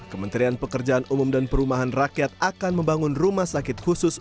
kementerian pekerjaan umum dan perumahan rakyat akan membangun rumah sakit khusus